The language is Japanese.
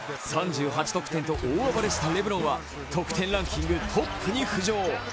３８得点と大暴れしたレブロンは得点ランキングトップに浮上。